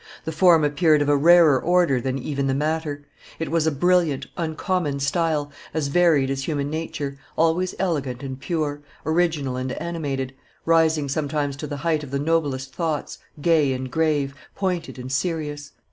The form appeared of a rarer order than even the matter; it was a brilliant, uncommon style, as varied as human nature, always elegant and pure, original and animated, rising sometimes to the height of the noblest thoughts, gay and grave, pointed and serious.